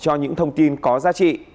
đối tượng cho những thông tin có giá trị